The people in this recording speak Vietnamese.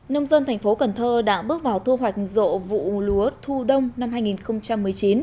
nông dân thành phố cần thơ đã bước vào thu hoạch rộ vụ lúa thu đông năm hai nghìn một mươi chín